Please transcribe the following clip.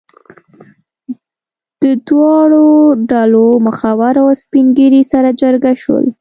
د دواړو ډلو مخور او سپین ږیري سره جرګه شول.